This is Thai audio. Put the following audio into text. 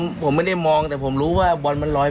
ไปฟังเสียงผู้เสียหายแล้วก็ผู้จัดงานกันสักนิดหนึ่งนะครับ